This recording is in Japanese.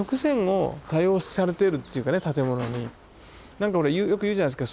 何かほらよく言うじゃないすか。